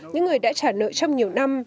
những người đã trả nợ trong nhiều năm